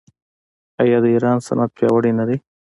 آیا د ایران صنعت پیاوړی نه دی؟